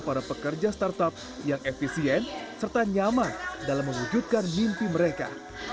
para pekerja startup yang efisien serta nyaman dalam mewujudkan mimpi mereka